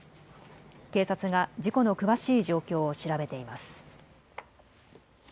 警察が事故の詳しい状況を調べています。